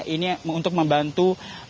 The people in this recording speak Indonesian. ini untuk membantu